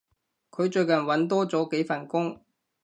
佢最近搵多咗幾份工